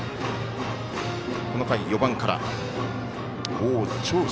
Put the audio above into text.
この回、４番から。